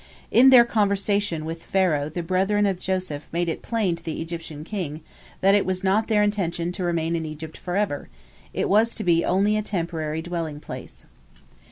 In their conversation with Pharaoh the brethren of Joseph made it plain to the Egyptian king that it was not their intention to remain in Egypt forever, it was to be only a temporary dwelling place.